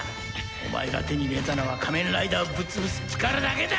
お前が手に入れたのは仮面ライダーをぶっ潰す力だけだ。